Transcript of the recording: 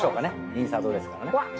インサートですからね。